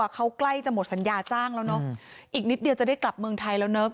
เขาใกล้จะหมดสัญญาจ้างแล้วเนอะอีกนิดเดียวจะได้กลับเมืองไทยแล้วเนอะ